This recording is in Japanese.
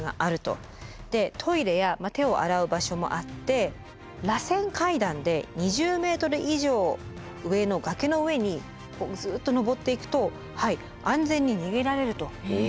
トイレや手を洗う場所もあってらせん階段で２０ｍ以上上の崖の上にずっと上っていくと安全に逃げられると。